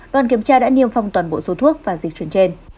đoàn kiểm tra đã niêm phong toàn bộ số thuốc và dịch chuyển trên